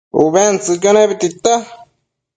ubentsëcquio nebi tita